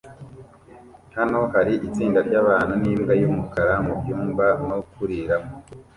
Hano hari itsinda ryabantu nimbwa yumukara mubyumba no kuriramo